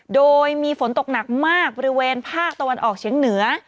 โดยมีฝนตกหนักมากบริเวณภาคตะวันออกเฉียงเหนือ